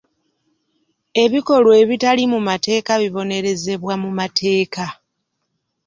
Ebikolwa ebitali mu mateeka bibonerezebwa mu mateeka.